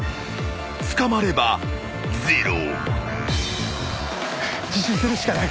捕まればゼロ］